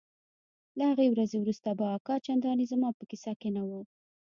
له هغې ورځې وروسته به اکا چندانې زما په کيسه کښې نه و.